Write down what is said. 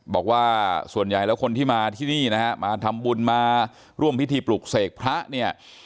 บอกว่าส่วนใหญ่แล้วคนที่มาที่นี่นะฮะมาทำบุญมาร่วมพิธีปลุกเสกพระเนี่ย